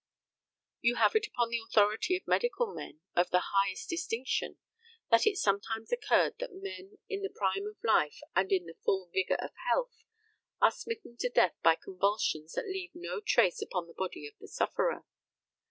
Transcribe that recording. You have it upon the authority of medical men of the highest distinction, that it sometimes occurs that men in the prime of life and in the full vigour of health, are smitten to death by convulsions that leave no trace upon the body of the sufferer.